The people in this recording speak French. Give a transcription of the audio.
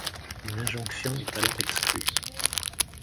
Une injonction est alors exclue.